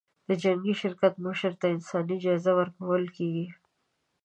د جنګي شرکت مشر ته انساني جایزه ورکول کېږي.